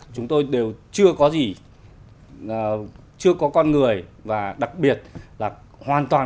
chúng tôi đều chưa có gì chưa có con người và đặc biệt là hoàn toàn